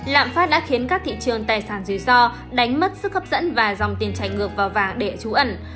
lạm phát đã khiến các thị trường tài sản dưới do đánh mất sức hấp dẫn và dòng tiền trải ngược vào vàng để trú ẩn